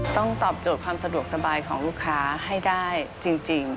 ตอบโจทย์ความสะดวกสบายของลูกค้าให้ได้จริง